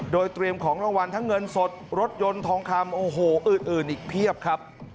โดยเตรียมของรางวัลทั้งเงินสดรถยนต์ทองคำโอ้โหอื่นอีกเพียบครับ